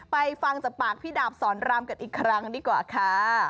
ไปฟังสุดจากปากพี่ดาบสรรรามเกิดอีกครั้งดีกว่าค่ะ